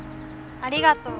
ありがとう。